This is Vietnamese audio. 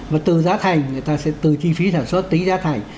và từ giá thành người ta sẽ từ chi phí sản xuất tính giá thành